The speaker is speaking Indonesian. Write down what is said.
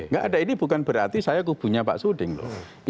nggak ada ini bukan berarti saya kubunya pak suding loh